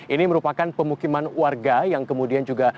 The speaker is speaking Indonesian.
ini merupakan pemukiman warga